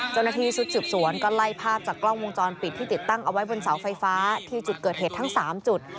เจ้าหน้าที่ชุดสืบสวนก็ไล่ภาพจากกล้องวงจรปิดที่ติดตั้งเอาไว้บนเสาไฟฟ้าที่จุดเกิดเหตุทั้ง๓จุด